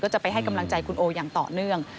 จะไปให้กำลังใจคุณโออย่างต่อเนื่อง